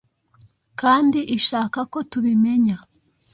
kandi ishaka ko tubimenya,